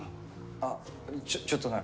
あっちょっとなら。